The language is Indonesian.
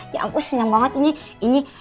ya ampun senyum banget ini